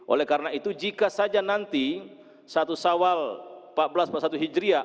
oleh karena itu jika saja nanti satu sawal empat belas pasal hijriah